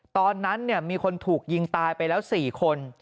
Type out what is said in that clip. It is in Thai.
ตอนนั้นมีคนถูกยิงตายไปแล้ว๔คน